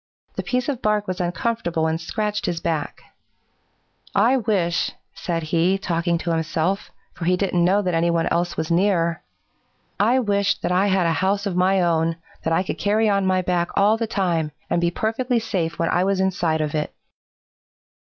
The piece of bark was uncomfortable and scratched his back, 'I wish,' said he, talking to himself, for he didn't know that any one else was near, 'I wish that I had a house of my own that I could carry on my back all the time and be perfectly safe when I was inside of it.'